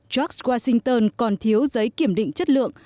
george washington còn thiếu giấy kiểm định chất lượng